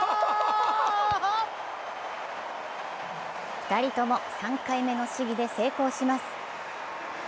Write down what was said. ２人とも３回目の試技で成功します。